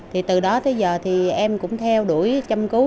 thì từ đó tới giờ thì em cũng theo đuổi châm cứu